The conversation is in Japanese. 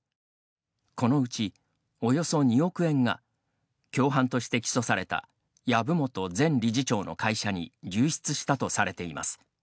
このうち、およそ２億円が共犯として起訴された籔本前理事長の会社に流出したとされています。